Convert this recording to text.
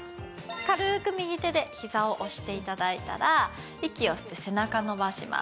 軽く右手で膝を押していただいたら、息を吸って背中を伸ばします。